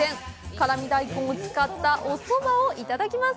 辛味大根を使ったおそばをいただきます。